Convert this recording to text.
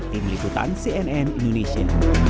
tim liputan cnn indonesia